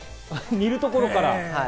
煮るところから。